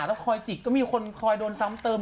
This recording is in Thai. แล้วคอยจิกก็มีคนคอยโดนซ้ำเติม